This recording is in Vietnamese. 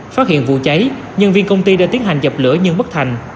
phát hiện vụ cháy nhân viên công ty đã tiến hành dập lửa nhưng bất thành